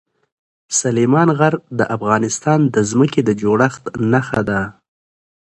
سلیمان غر د افغانستان د ځمکې د جوړښت نښه ده.